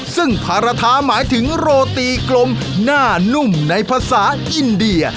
ซึ่งภาระท้าหมายถึงโรตีกลมหน้านุ่มในภาษาอินเดีย